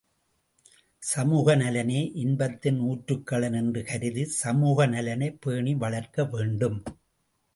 சமூகநலனே இன்பத்தின் ஊற்றுக்களன் என்று கருதி சமூக நலனைப் பேணி வளர்க்க வேண்டும்.